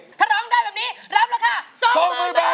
ถ้าร้องได้แบบนี้รับราคาสองหมื่นบาท